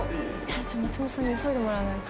「松本さんに急いでもらわないと」